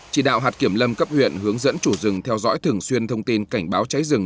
chỉ đạo hạt kiểm lâm cấp huyện hướng dẫn chủ rừng theo dõi thường xuyên thông tin cảnh báo cháy rừng